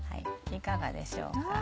いかがでしょうか。